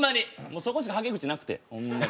そこしかはけ口なくてホンマに。